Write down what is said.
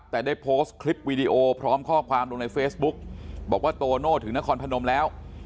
แต่ได้โพสต์คลิปวีดีโอพร้อมข้อความลงในเฟซบุ๊กบอกว่าโตโน่ถึงนครพนมแล้ว